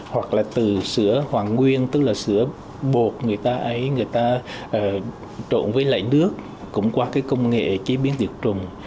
hoặc là từ sữa hoàn nguyên tức là sữa bột người ta ấy người ta trộn với lại nước cũng qua cái công nghệ chế biến diệt trùng